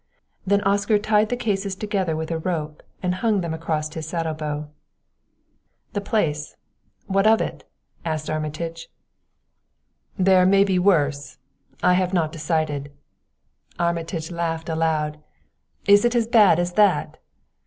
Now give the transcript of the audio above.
Then Oscar tied the cases together with a rope and hung them across his saddle bow. "The place what of it?" asked Armitage. "There may be worse I have not decided." Armitage laughed aloud. "Is it as bad as that?"